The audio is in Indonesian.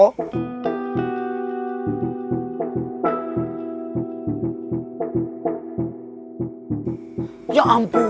ya ampun tidak ada jawabankah